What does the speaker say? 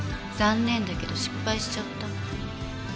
残念だけど失敗しちゃった。